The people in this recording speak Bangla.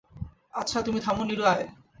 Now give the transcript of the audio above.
আচ্ছা, তুমি থামো, নীরু আয়!